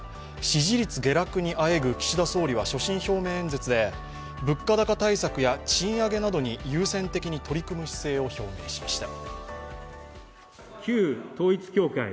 支持率下落にあえぐ岸田総理は所信表明演説で物価高対策や賃上げなどに優先的に取り組む姿勢を表明しました。